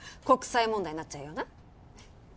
国際問題になっちゃうような。